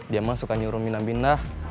dia emang suka nyuruh minah minah